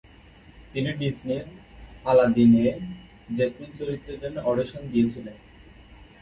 তিনি ডিজনির 'আলাদিন'-এ জেসমিন চরিত্রের জন্য অডিশন দিয়েছিলেন।